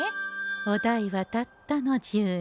お代はたったの１０円。